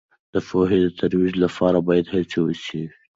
د پوهې د ترویج لپاره باید هڅې وسي.